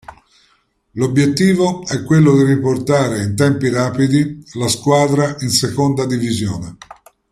L'obiettivo è quello di riportare in tempi rapidi la squadra in seconda divisione.